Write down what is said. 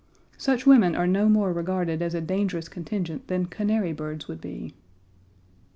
Such women are no more regarded as a dangerous contingent than canary birds would be.